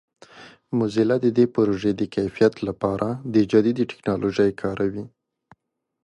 موزیلا د دې پروژې د کیفیت لپاره د جدید ټکنالوژیو کاروي.